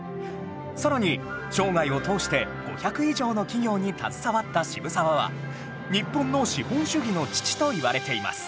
さらに生涯を通して５００以上の企業に携わった渋沢は日本の資本主義の父といわれています